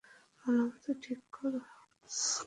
ভালোমত ঠিক কর।